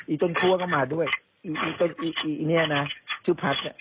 ต้นคั่วก็มาด้วยอีต้นอีอีเนี่ยนะชื่อพัดอ่ะ